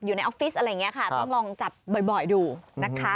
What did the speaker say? ออฟฟิศอะไรอย่างนี้ค่ะต้องลองจับบ่อยดูนะคะ